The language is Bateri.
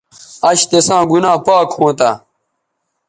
اش تساں گنا پاک ھونتہ